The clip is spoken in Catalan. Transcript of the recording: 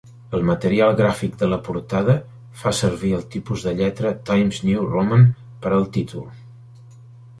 El material gràfic de la portada fa servir el tipus de lletra Times New Roman per al títol.